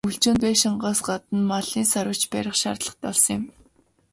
Өвөлжөөнд байшингаас гадна малын "саравч" барих шаардлагатай болсон юм.